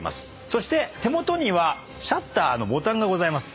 そして手元にはシャッターのボタンがございます。